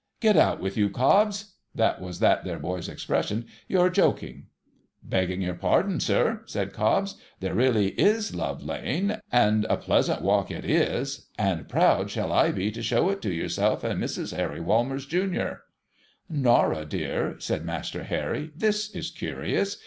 ' Get out with you, Cobbs !'■— that was that there boy's expres sion, —' you're joking.' ' Begging your pardon, sir,' says Cobbs, ' there really is Love lane. And a pleasant walk it is, and proud shall I be to show it to yourself and Mrs. Harry \\ 'aimers, Junior.' ' Norah, dear,' said Master Harry, ' this is curious.